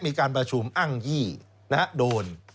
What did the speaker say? มีการประชุมอ้างยี่นะครับโดน